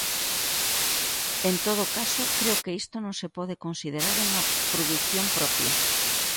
En todo caso, creo que isto non se pode considerar unha produción propia.